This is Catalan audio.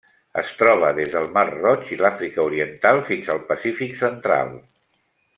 Es troba des del Mar Roig i l'Àfrica Oriental fins al Pacífic central.